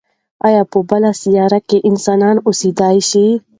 ایا په بله سیاره کې انسانان اوسېدای شي؟